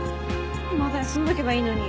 まだ休んどけばいいのに。